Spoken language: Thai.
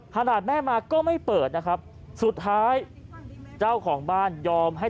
ขนาดแม่มาก็ไม่เปิดนะครับสุดท้ายเจ้าของบ้านยอมให้